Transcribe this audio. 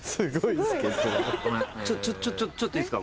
ちょちょっといいっすか？